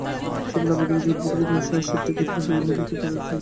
সকল আবৃতবীজী উদ্ভিদকে তিনশো আশিটি গোত্রের অন্তর্ভূক্ত করেছেন কে?